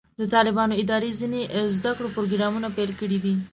د طالبانو ادارې ځینې زده کړو پروګرامونه پیل کړي دي.